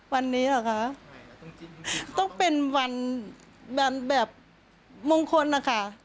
วันนี้เหรอคะต้องเป็นวันแบบมงคลนะคะ